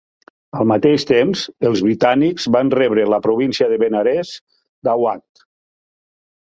Al mateix temps, els britànics van rebre la província de Benarés d'Awadh.